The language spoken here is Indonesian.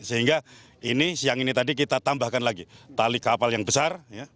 sehingga ini siang ini tadi kita tambahkan lagi tali kapal yang besar